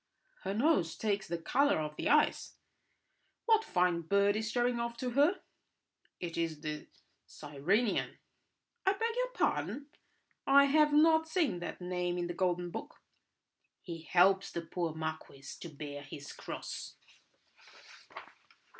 "Her nose takes the colour of the ice. What fine bird is showing off to her?" "It is the Cyrenian." "I beg your pardon! I have not seen that name in the Golden Book." "He helps the poor marquis to bear his cross."